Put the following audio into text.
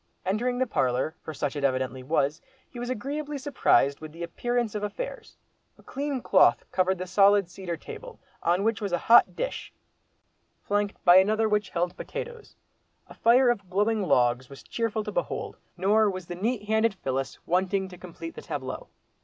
Entering the parlour, for such it evidently was, he was agreeably surprised with the appearance of affairs. A clean cloth covered the solid cedar table, on which was a hot dish—flanked by another which held potatoes. A fire of glowing logs was cheerful to behold, nor was the "neat handed Phyllis" wanting to complete the tableau.